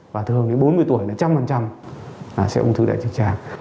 và thường đến bốn mươi tuổi là một trăm linh sẽ ung thư đại trực tràng